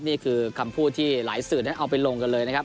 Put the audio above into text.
นี่คือคำพูดที่หลายสื่อนั้นเอาไปลงกันเลยนะครับ